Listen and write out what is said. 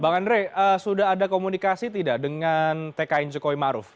bang andre sudah ada komunikasi tidak dengan tkn jokowi maruf